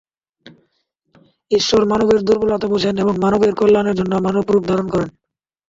ঈশ্বর মানবের দুর্বলতা বুঝেন এবং মানবের কল্যাণের জন্য মানবরূপ ধারণ করেন।